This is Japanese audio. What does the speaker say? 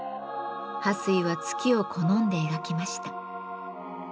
巴水は月を好んで描きました。